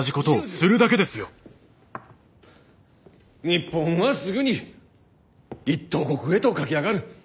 日本はすぐに一等国へと駆け上がる。